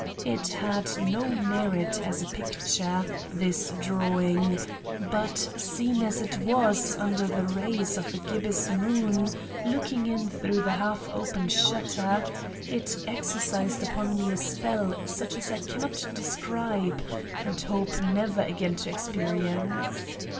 It had no merit as a picture, this drawing, but seen as it was under the rays of a gibbous moon looking in through the half open shutter, it exercised upon me a spell such as I can not describe and hope never again to experience.